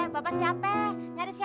bapak siapa nyari siapa